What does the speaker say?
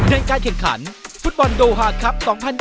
ในการแข่งขันฟุตบอลโดฮาสครับ๒๐๒๐